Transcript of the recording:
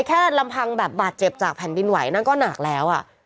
ลำพังแบบบาดเจ็บจากแผ่นดินไหวนั่นก็หนักแล้ว